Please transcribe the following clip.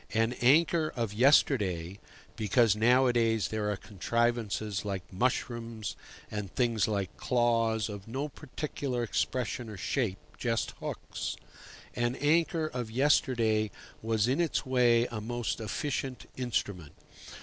An anchor of yesterday (because nowadays there are contrivances like mushrooms and things like claws, of no particular expression or shape—just hooks)—an anchor of yesterday is in its way a most efficient instrument.